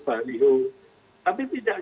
baliuk tapi tidak